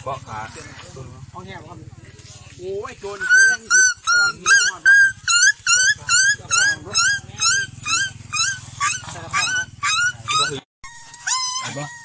สวัสดีครับ